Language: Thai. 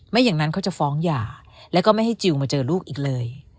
อย่างนั้นเขาจะฟ้องหย่าแล้วก็ไม่ให้จิลมาเจอลูกอีกเลย